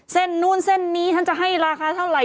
เส้นนู้นเส้นนี้ท่านจะให้ราคาเท่าไหร